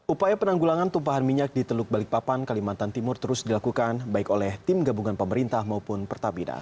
upaya penanggulangan tumpahan minyak di teluk balikpapan kalimantan timur terus dilakukan baik oleh tim gabungan pemerintah maupun pertamina